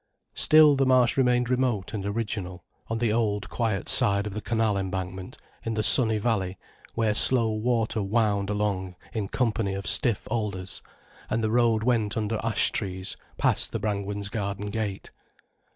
Still the Marsh remained remote and original, on the old, quiet side of the canal embankment, in the sunny valley where slow water wound along in company of stiff alders, and the road went under ash trees past the Brangwens' garden gate.